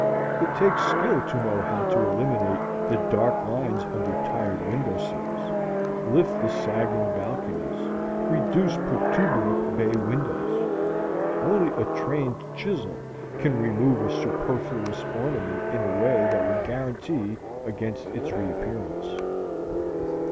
It takes skill to know how to eliminate the dark lines under tired window sills, lift the sagging balconies, reduce protuberant bay windows. Only a trained chisel can remove a superfluous ornament in a way that will guarantee against its reappearance.